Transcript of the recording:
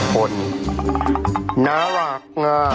คนน่ารักง่า